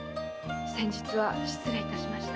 先日は失礼いたしました。